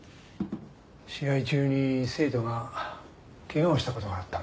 試合中に生徒が怪我をした事があったんだ。